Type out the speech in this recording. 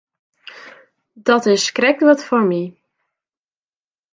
Dat is krekt wat foar my.